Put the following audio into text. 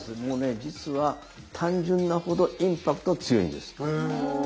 もうね実は単純なほどインパクトが強いんです。